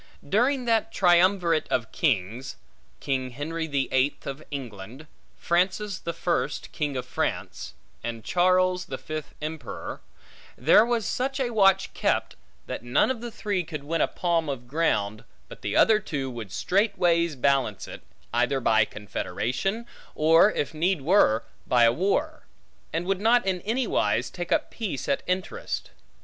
During that triumvirate of kings, King Henry the Eighth of England, Francis the First King of France, and Charles the Fifth Emperor, there was such a watch kept, that none of the three could win a palm of ground, but the other two would straightways balance it, either by confederation, or, if need were, by a war; and would not in any wise take up peace at interest.